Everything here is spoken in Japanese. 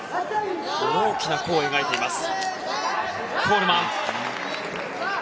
大きな弧を描いています。